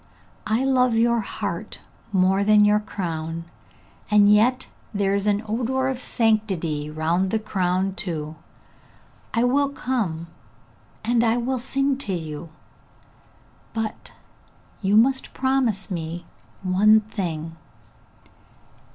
I love your heart more than your crown, and yet there is an odour of sanctity round the crown too! I will come, and I will sing to you! But you must promise me one thing!